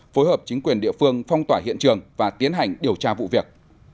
phối hợp chính quyền địa phương phong tỏa hiện trường và tiến hành điều tra vụ việc